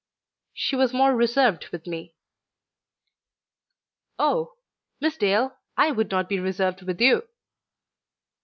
"She was more reserved with me." "Oh! Miss Dale, I would not be reserved with you."